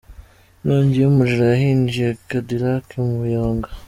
Inkongi y’umuriro yahinduye kadillake umuyonga